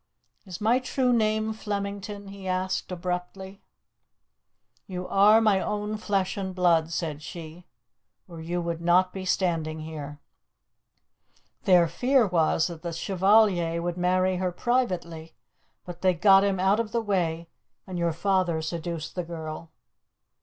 "Is my true name Flemington?" he asked abruptly. "You are my own flesh and blood," said she, "or you would not be standing here. Their fear was that the Chevalier would marry her privately, but they got him out of the way, and your father seduced the girl.